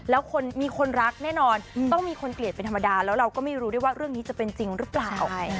แล้วคนมีคนรักแน่นอนต้องมีคนเกลียดเป็นธรรมดาแล้วเราก็ไม่รู้ด้วยว่าเรื่องนี้จะเป็นจริงหรือเปล่า